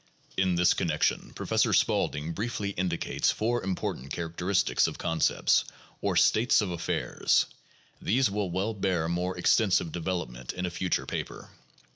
In this connection Professor Spaulding briefly indicates (p. 233) four important characteristics of concepts, or "states of affairs." These will well bear more extensive development in a future paper.